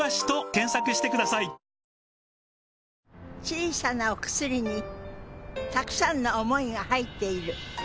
小さなお薬にたくさんの想いが入っている。